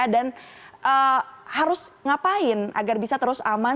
dan harus ngapain agar bisa terus aman